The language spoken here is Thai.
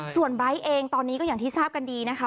ส่วนไบร์ทเองตอนนี้ก็อย่างที่ทราบกันดีนะคะ